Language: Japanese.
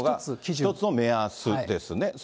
一つの目安ですね。